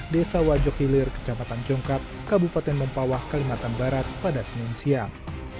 desa wajok hilir kecamatan jongkat kabupaten mempawah kalimantan barat pada senin siang